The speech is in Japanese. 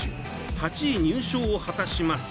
８位入賞を果たします。